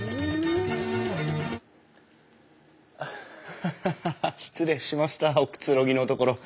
ハハハハ失礼しましたおくつろぎのところ。